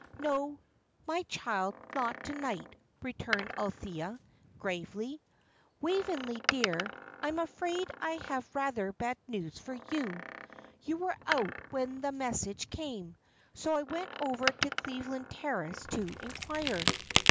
"No, my child, not to night," returned Althea, gravely. "Waveney, dear, I am afraid I have rather bad news for you. You were out when the message came, so I went over to Cleveland Terrace to inquire."